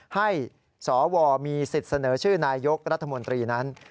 ให้สวมีสิทธิ์เสนอชื่อนายยกรัฐมนตรีนั้น